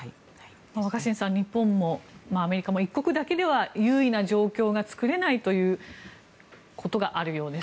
若新さん日本もアメリカも１国だけでは優位な状況が作れないということがあるようです。